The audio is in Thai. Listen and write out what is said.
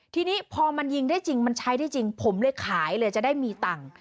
ทีนี้พอมันยิงได้จริงมันใช้ได้จริงผมเลยขายเลยจะได้มีตังค์